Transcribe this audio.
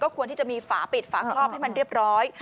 ควรที่จะมีฝาปิดฝาครอบให้มันเรียบร้อย